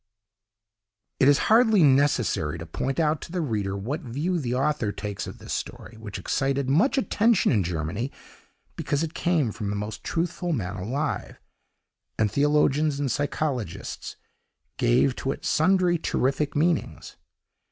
"It is hardly necessary to point out to the reader what view the author takes of this story, which excited much attention in Germany, because it came from the most truthful man alive, and theologians and psychologists gave to it sundry terrific meanings.